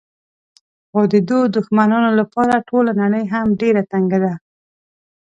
خو د دوو دښمنانو لپاره ټوله نړۍ هم ډېره تنګه ده.